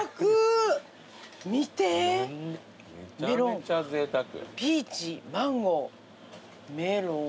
めちゃめちゃぜいたく。